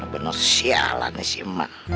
bener sialan nih si emang